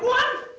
kamu salah ini